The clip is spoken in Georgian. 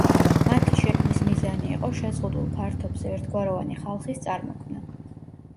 მათი შექმნის მიზანი იყო შეზღუდულ ფართობზე ერთგვაროვანი ხალხის წარმოქმნა.